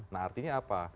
nah artinya apa